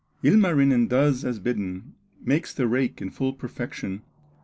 Ilmarinen does as bidden, Makes the rake in full perfection.